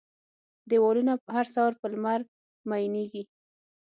دیوالونه، هر سهار په لمر میینیږې